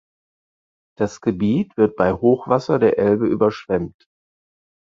Das Gebiet wird bei Hochwasser der Elbe überschwemmt.